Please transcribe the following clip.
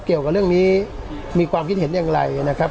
เกี่ยวกับเรื่องนี้มีความคิดเห็นอย่างไรนะครับ